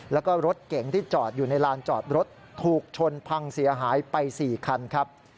แล้วก็รถเก๋งที่จอดอยู่ในลานจอดรถถูกชนพังเสียหายไป๔คันครับ